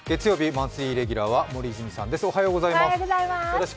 マンスリーレギュラーは森泉さんです。